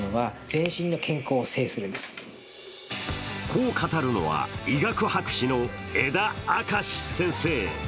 こう語るのは、医学博士の江田証先生。